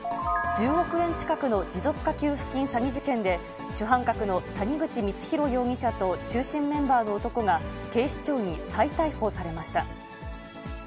１０億円近くの持続化給付金詐欺事件で、主犯格の谷口光弘容疑者と中心メンバーの男が、警視庁に再逮捕されました。